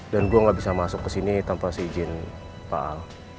dan gue gak bisa masuk kesini tanpa si izin pak al